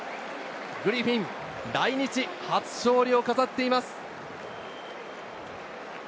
グリフィン、来日初勝利を飾っています。